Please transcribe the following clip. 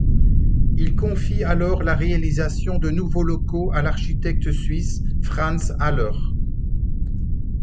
Il confie alors la réalisation de nouveaux locaux à l’architecte suisse Fritz Haller.